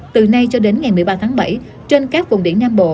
từ nay cho đến ngày một mươi ba tháng bảy trên các vùng biển nam bộ